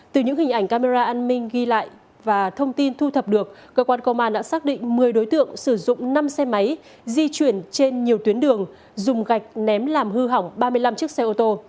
từ những hình ảnh camera an ninh ghi lại và thông tin thu thập được cơ quan công an đã xác định một mươi đối tượng sử dụng năm xe máy di chuyển trên nhiều tuyến đường dùng gạch ném làm hư hỏng ba mươi năm chiếc xe ô tô